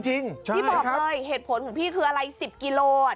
พี่บอกเลยเหตุผลของพี่คืออะไร๑๐กิโลอ่ะ